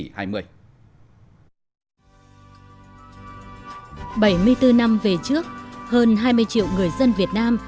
bảy mươi bốn năm về trước hơn hai mươi triệu người dân việt nam